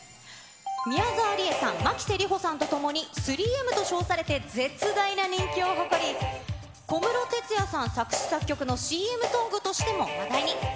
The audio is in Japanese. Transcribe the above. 宮沢りえさん、牧瀬里穂さんとともに３Ｍと称されて絶大な人気を誇り、小室哲哉さん作詞・作曲のＣＭソングとしても話題に。